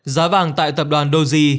giá vàng tại tập đoàn doge